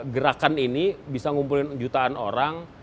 gerakan ini bisa ngumpulin jutaan orang